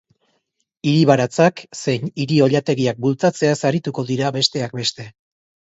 Hiri-baratzak zein hiri-oilategiak bultzatzeaz arituko dira, besteak beste.